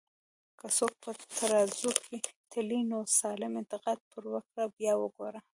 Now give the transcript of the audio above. که څوک په ترازو کی تلې، نو سالم انتقاد پر وکړه بیا وګوره